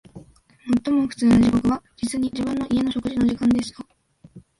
最も苦痛な時刻は、実に、自分の家の食事の時間でした